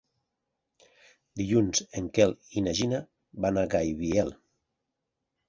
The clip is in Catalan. Dilluns en Quel i na Gina van a Gaibiel.